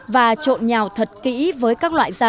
và trộn nhào thật kỹ với các loại da